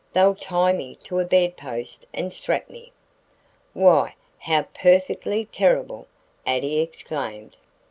"They'll tie me to a bed post and strap me." "Why, how perfectly terrible!" Addie exclaimed.